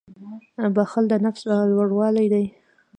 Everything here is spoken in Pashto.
• بښل د نفس لوړوالی دی.